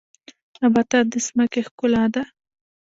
نباتات د ځمکې ښکلا ده